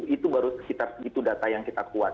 itu baru sekitar segitu data yang kita kuat